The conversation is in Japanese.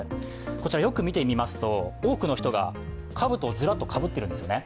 こちらよく見てみますと、多くの人が、かぶとをずらっとかぶっているんですね。